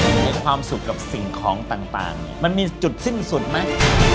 มีความสุขกับสิ่งของต่างมันมีจุดสิ้นสุดไหม